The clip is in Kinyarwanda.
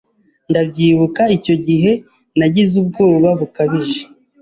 Ndabyibuka icyo gihe nagize ubwoba bukabije